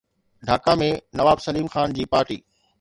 ڍاڪا ۾ نواب سليم خان جي پارٽي